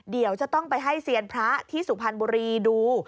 เดี๋ยวจะต้องไปให้เซียนพระที่สุพรรณบุรีดู